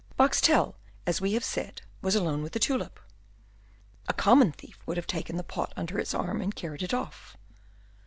Boxtel, as we have said, was alone with the tulip. A common thief would have taken the pot under his arm, and carried it off.